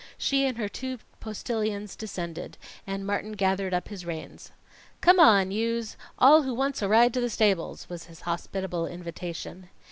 She and her two postilions descended, and Martin gathered up his reins. "Come on, youse! All who wants a ride to the stables," was his hospitable invitation.